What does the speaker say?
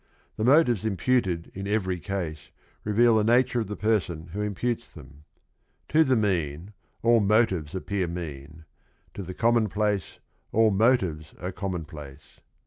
The motives imputed in every case reveal the nature of the person who imputes them. To the mean, all motives appear mean; to the commonplace, all motives are commonplace.